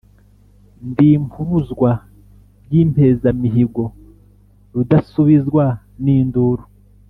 Ndi impuruzwa y’impezamihigo, rudasubizwa n’induru,